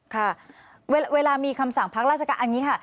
ค่ะเวลามีคำสั่งพักราชการอันนี้ค่ะ